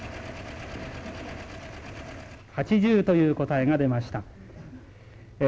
８０という答えが出ました。